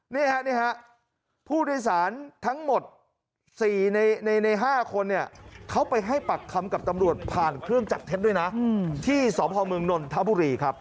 นี่ฮะนี่ฮะผู้โดยสารทั้งหมด๔ใน๕คนเนี่ยเขาไปให้ปากคำกับตำรวจผ่านเครื่องจับเท็จด้วยนะที่สพเมืองนนทบุรีครับ